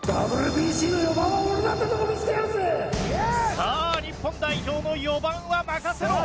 さあ日本代表の４番は任せろ！